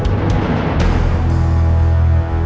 kau itu waktu gelap apa